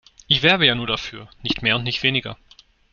Ich werbe ja nur dafür, nicht mehr und nicht weniger.